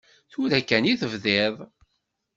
Tura kan i tebdiḍ.